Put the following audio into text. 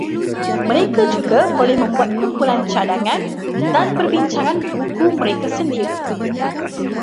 Mereka juga boleh membuat kumpulan cadangan dan perbincangan buku mereka sendiri